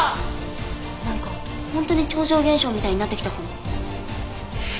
なんか本当に超常現象みたいになってきたかも。